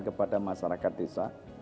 kepada masyarakat desa